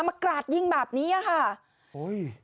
มันกราดยิงแบบนี้ค่ะโอ้ย